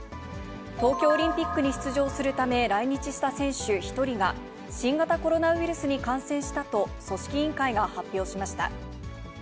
東京オリンピックに出場するため来日した選手１人が、新型コロナウイルスに感染したと組織委員会が発表しました。